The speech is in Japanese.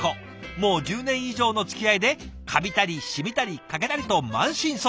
もう１０年以上のつきあいでカビたり染みたり欠けたりと満身創痍。